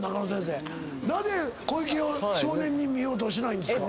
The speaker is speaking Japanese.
なぜ小池を少年に見ようとしないんですか？